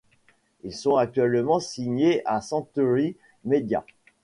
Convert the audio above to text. Ils sont actuellement signés à Century Media.